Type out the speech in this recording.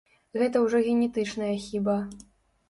Гэта ўжо генетычная хіба.